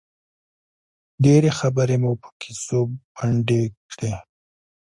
ډېرې خبرې مو په کیسو پنډې کړې.